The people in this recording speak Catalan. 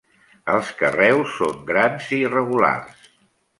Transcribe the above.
Els carreus són grans i irregulars.